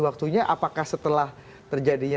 waktunya apakah setelah terjadinya